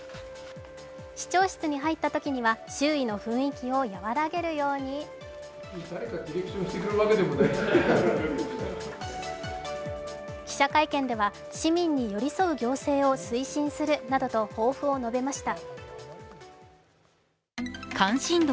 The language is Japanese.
市長室に入ったときには周囲の雰囲気を和らげるように記者会見では市民に寄り添う行政を推進するなどと抱負を述べました。